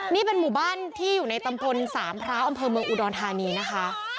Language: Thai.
นี่เป็นหมู่บ้านที่อยู่ในตำบลสามพร้าวอำเภอเมืองอุดรธานีนะคะ